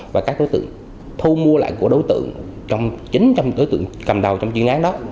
và các đối tượng thu mua lại của đối tượng trong chính trong đối tượng cầm đầu trong chuyên án đó